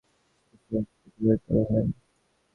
শিশু এবং ভৃত্যদের সম্পর্কে শেষেরটি প্রয়োগ করা হয়।